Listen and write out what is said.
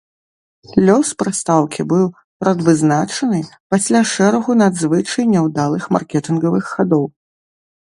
Лёс прыстаўкі быў прадвызначаны пасля шэрагу надзвычай няўдалых маркетынгавых хадоў.